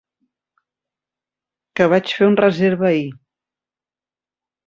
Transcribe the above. Que vaig fer un reserva ahir.